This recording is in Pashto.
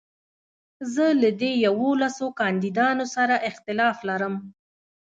زه له دې يوولسو کانديدانو سره اختلاف لرم.